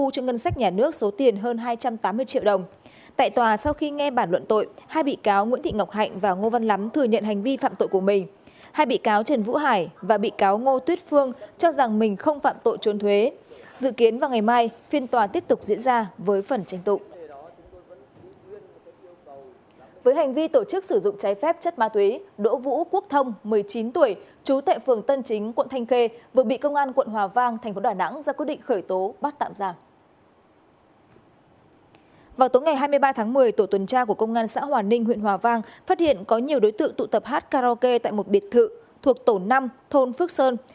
công an xã hòa ninh huyện hòa vang phát hiện có nhiều đối tượng tụ tập hát karaoke tại một biệt thự thuộc tổ năm thôn phước sơn